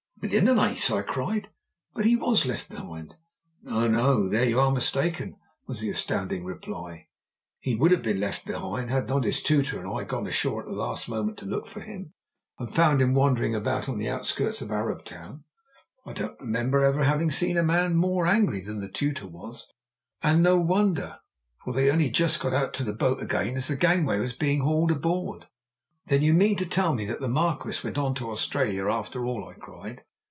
"Within an ace!" I cried; "but he was left behind." "No, no! there you are mistaken," was the astounding reply; "he would have been left behind had not his tutor and I gone ashore at the last moment to look for him and found him wandering about on the outskirts of Arab Town. I don't remember ever to have seen a man more angry than the tutor was, and no wonder, for they only just got out to the boat again as the gangway was being hauled aboard." "Then you mean to tell me that the Marquis went on to Australia after all!" I cried.